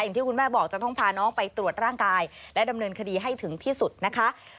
ที่คุณแม่บอกจะต้องพาน้องไปตรวจร่างกายและดำเนินคดีให้ถึงที่สุดนะคะ